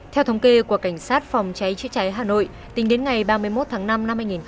theo thống kê của cảnh sát phòng cháy chữa cháy hà nội tính đến ngày ba mươi một tháng năm năm hai nghìn hai mươi